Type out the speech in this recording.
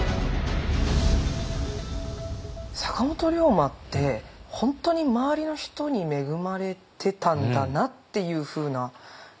坂本龍馬って本当に周りの人に恵まれてたんだなっていうふうな気持ちになりましたね。